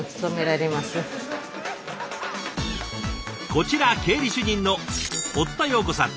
こちら経理主任の堀田葉子さん。